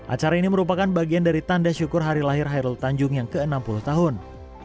acara ini merupakan bagian dari tanda syukur hari lahir hairul tanjung yang ke enam puluh tahun